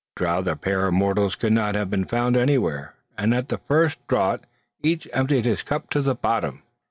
A drouthier pair of mortals could not have been found anywhere; and at the first draught, each emptied his cup to the bottom!